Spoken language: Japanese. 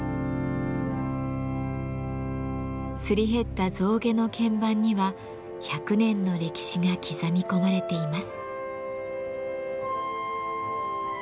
すり減った象牙の鍵盤には１００年の歴史が刻み込まれています。